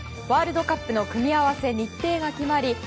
ワールドカップの組み合わせ、日程が決まり